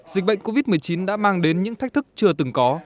dịch bệnh covid một mươi chín đã mang đến những thách thức chưa từng có